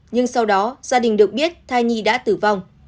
nhưng sau đó gia đình được biết thai nhi đã tử vong